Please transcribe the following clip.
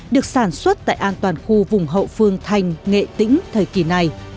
được sản xuất tại an toàn khu vùng hậu phương thành nghệ tĩnh thời kỳ này